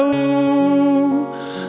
aku yakin kau tahu